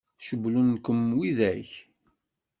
Cewwlen-kem widak?